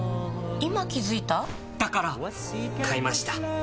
今気付いた？だから！買いました。